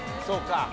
そうか。